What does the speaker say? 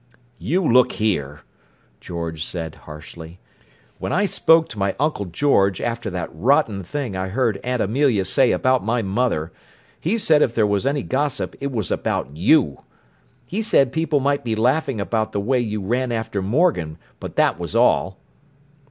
"You look here!" George said harshly. "When I spoke to my Uncle George after that rotten thing I heard Aunt Amelia say about my mother, he said if there was any gossip it was about you! He said people might be laughing about the way you ran after Morgan, but that was all."